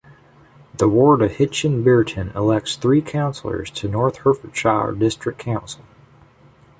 The ward of Hitchin Bearton elects three councillors to North Hertfordshire District Council.